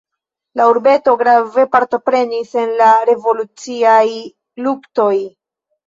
La urbeto grave partoprenis en la revoluciaj luktoj.